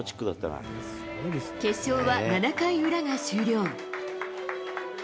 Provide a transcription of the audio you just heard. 決勝は７回裏が終了。